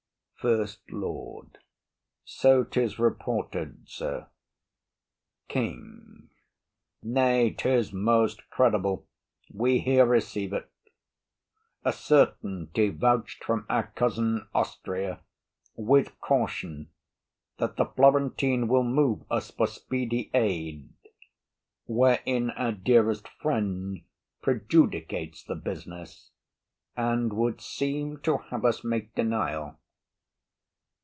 FIRST LORD. So 'tis reported, sir. KING. Nay, 'tis most credible, we here receive it, A certainty, vouch'd from our cousin Austria, With caution, that the Florentine will move us For speedy aid; wherein our dearest friend Prejudicates the business, and would seem To have us make denial.